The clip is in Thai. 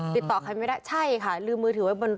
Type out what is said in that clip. ติดต่อกลับไปไม่ได้